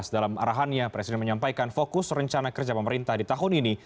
dalam arahannya presiden menyampaikan fokus rencana kerja pemerintah di tahun ini